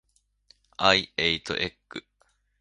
I ate egg.